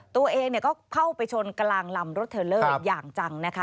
ตัวเองก็เข้าไปชนกลางลำรถเทลเลอร์อย่างจังนะคะ